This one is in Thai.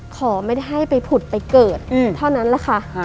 ขอไม่ได้ให้ไปผุดไปเกิดเท่านั้นแหละค่ะ